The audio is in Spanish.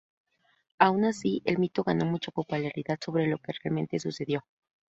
Aun así, el mito ganó mucha popularidad sobre lo que realmente sucedió.